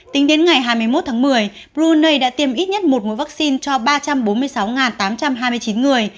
tính đến ngày hai mươi một tháng một mươi brunei đã tiêm ít nhất một vaccine cho ba trăm bốn mươi sáu tám trăm hai mươi chín người